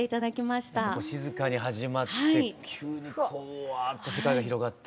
静かに始まって急にこううわっと世界が広がって。